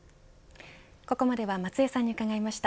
ここまでは松江さんに伺いました。